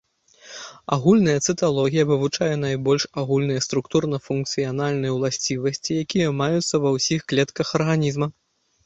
Агульная цыталогія вывучае найбольш агульныя структурна-функцыянальныя ўласцівасці, якія маюцца ва ўсіх клетках арганізма.